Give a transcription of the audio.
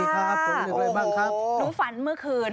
หนูฝันเมื่อคืน